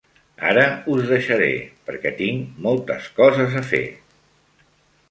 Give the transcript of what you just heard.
Ara us deixaré, perquè tinc moltes coses a fer.